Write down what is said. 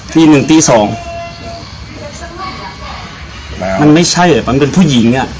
ที่หนึ่งที่สองมันไม่ใช่แหละมันเป็นผู้หญิงเนี้ย